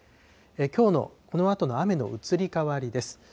きょうのこのあとの雨の移り変わりです。